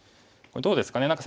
どうですかね。